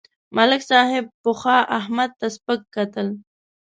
ملک صاحب پخوا احمد ته سپکه کتل.